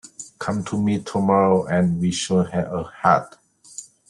Come to me tomorrow and you shall have a heart.